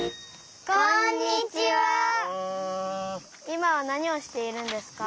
いまはなにをしているんですか？